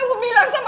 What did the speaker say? ini adalah nyata